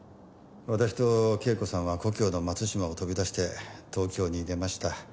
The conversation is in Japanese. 私と啓子さんは故郷の松島を飛び出して東京に出ました。